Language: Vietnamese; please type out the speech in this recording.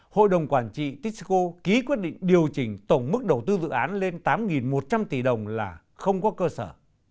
hội đồng quản trị tisco ký quyết định điều chỉnh tổng mức đầu tư dự án lên tám một trăm linh tỷ đồng là không có cơ sở